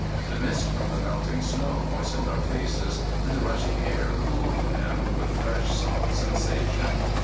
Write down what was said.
The mist from the melting snow moistened our faces, and the rushing air cooled them with fresh, soft sensation.